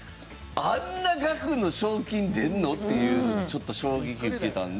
あんな額の賞金出るの？っていうのでちょっと衝撃受けたので。